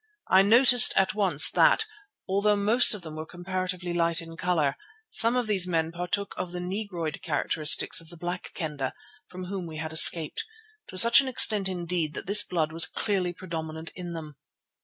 I noticed at once that, although most of them were comparatively light in colour, some of these men partook of the negro characteristics of the Black Kendah from whom we had escaped, to such an extent indeed that this blood was clearly predominant in them.